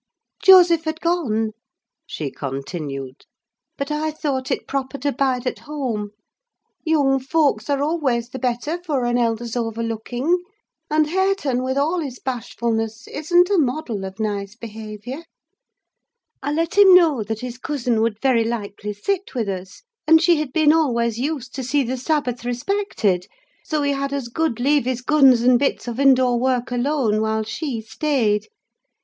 "Joseph had gone," she continued, "but I thought proper to bide at home. Young folks are always the better for an elder's over looking; and Hareton, with all his bashfulness, isn't a model of nice behaviour. I let him know that his cousin would very likely sit with us, and she had been always used to see the Sabbath respected; so he had as good leave his guns and bits of indoor work alone, while she stayed.